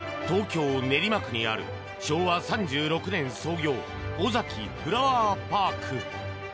こちらは東京・練馬区にある昭和３６年創業オザキフラワーパーク。